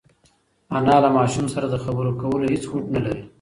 انا له ماشوم سره د خبرو کولو هېڅ هوډ نهلري.